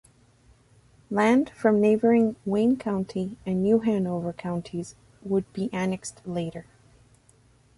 Land from neighboring Wayne County and New Hanover counties would be annexed later.